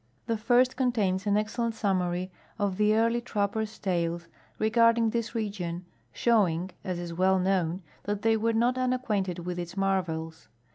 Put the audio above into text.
The first contains an excellent summary of the early trappers' tales regarding this region, showing, as is well known, that they were not unacquainted with its marvels.